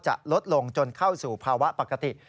ลดลงจนเข้าสู่ภาวะปกติ